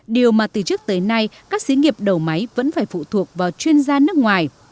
điều mà từ trước tới nay các sĩ nghiệp đầu máy vẫn phải phụ thuộc vào chuyên gia nước ngoài